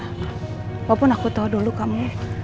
walaupun aku tahu dulu kamu